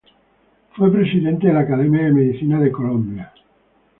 Fue presidente de la Academia de Medicina de Colombia.